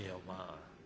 まあ。